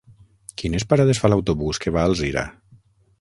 Quines parades fa l'autobús que va a Alzira?